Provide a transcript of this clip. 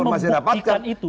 bagaimana membuktikan itu